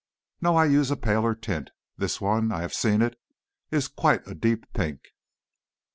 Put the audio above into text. "No; I use a paler tint. This one, I have seen it, is quite a deep pink."